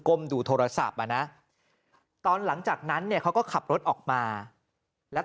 ดูโทรศัพท์อ่ะนะตอนหลังจากนั้นเนี่ยเขาก็ขับรถออกมาแล้ว